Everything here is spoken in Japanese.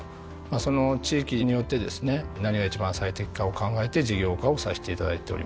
その地域によってですね何が一番最適かを考えて事業化をさせていただいております。